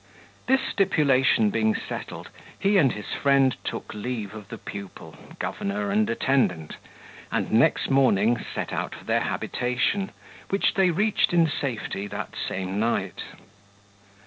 This stipulation being settled, he and his friend took leave of the pupil, governor, and attendant, and next morning, set out for their habitation, which they reached in safety that same night.